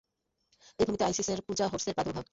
এই ভূমিতে আইসিসের পূজা, হোরসের প্রাদুর্ভাব।